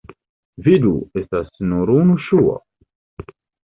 Vidu: estas nur unu ŝuo.